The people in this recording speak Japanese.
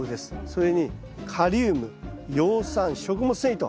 それにカリウム葉酸食物繊維と。